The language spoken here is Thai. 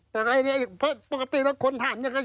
แต่อะไรอีกเพราะปกติแล้ว